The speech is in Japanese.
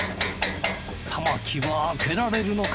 玉置は開けられるのか？